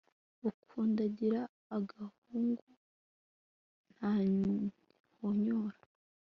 ukandagira agahungu ntahonyora